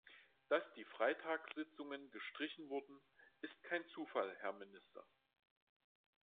Dass die Freitagssitzungen gestrichen wurden, ist kein Zufall, Herr Minister.